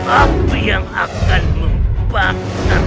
api yang akan membakar